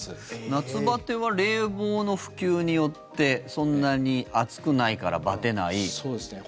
夏バテは冷房の普及によってそんなに暑くないからバテない。